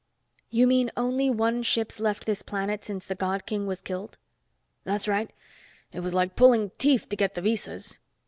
"You mean only one ship's left this planet since the God King was killed?" "That's right. It was like pulling teeth to get the visas."